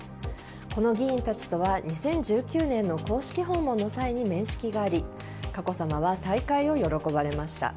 この議員たちとは２０１９年の公式訪問の際に面識があり佳子さまは再会を喜ばれました。